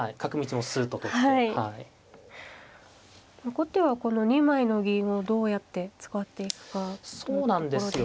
後手はこの２枚の銀をどうやって使っていくかというところですか。